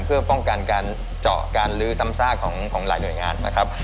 เพื่อป้องกันการเจาะการลื้อซ้ำซากของหลายหน่วยงานนะครับ